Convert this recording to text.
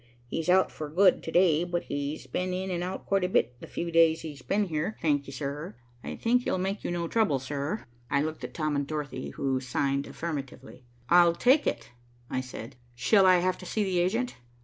He's out for good to day, but he's been in and out quite a bit the few days he's been there, thank you, sir. I think he'll make you no trouble, sir." I looked at Tom and Dorothy, who signed affirmatively. "I'll take it," I said. "Shall I have to see the agent?"